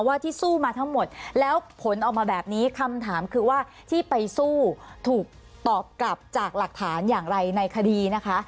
ที่สู้มาทั้งหมดแล้วผลออกมาแบบนี้คำถามคือว่าที่ไปสู้ถูกตอบกลับจากหลักฐานอย่างไรในคดีนะคะ